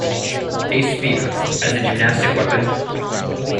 A spear, as a gymnastic weapon.